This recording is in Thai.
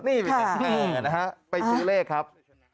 นี่แหละนะครับไปซื้อเลขครับ